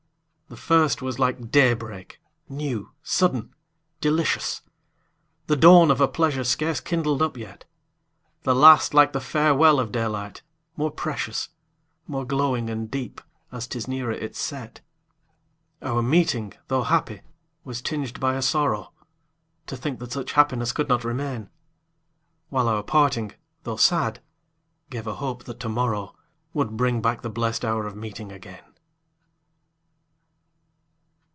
The first was like day break, new, sudden, delicious, The dawn of a pleasure scarce kindled up yet; The last like the farewell of daylight, more precious, More glowing and deep, as 'tis nearer its set. Our meeting, tho' happy, was tinged by a sorrow To think that such happiness could not remain; While our parting, tho' sad, gave a hope that to morrow Would bring back the blest hour of meeting again.